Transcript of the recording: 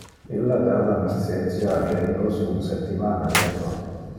Illa dava nascentia a geminos un septimana retro.